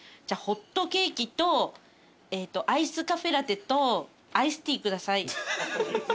じゃあホットケーキとえっとアイスカフェラテとアイスティー下さい。